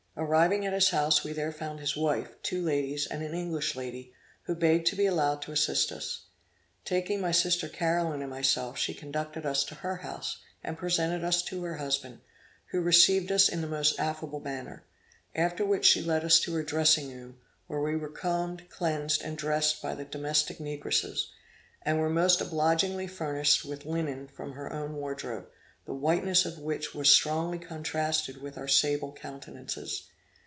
Arriving at his house we there found his wife, two ladies and an English lady, who begged to be allowed to assist us. Taking my sister Caroline and myself, she conducted us to her house, and presented us to her husband, who received us in the most affable manner; after which she led us to her dressing room, where we were combed, cleansed, and dressed by the domestic negresses, and were most obligingly furnished with linen from her own wardrobe, the whiteness of which was strongly contrasted with our sable countenances.